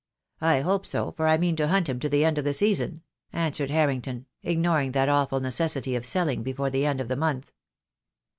"I hope so, for I mean to hunt him to the end of the season," answered Harrington, ignoring that awful necessity of selling before the end of the month.